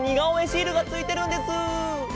シールがついてるんです。